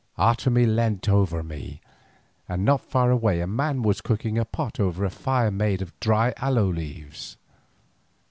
Otomie leant over me, and not far away a man was cooking a pot over a fire made of dry aloe leaves.